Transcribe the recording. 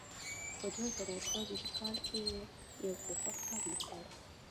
په دوه زره دوه ویشت کال کې یې یو کوښښ هم وکړ.